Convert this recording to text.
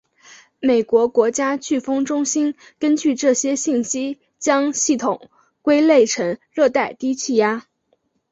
美国国家飓风中心根据这些信息将系统归类成热带低气压。